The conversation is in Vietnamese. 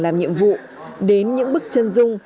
làm nhiệm vụ đến những bức chân dung